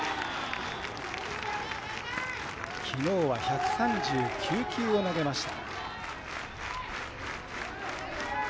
きのうは１３９球を投げました。